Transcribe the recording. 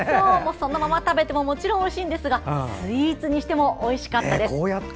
そのまま食べてももちろんおいしいんですがスイーツにしてもおいしいんです。